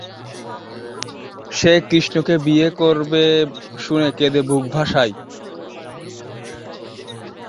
সে কৃষ্ণকে বিয়ে করবে শুনে কেঁদে বুক ভাসায়।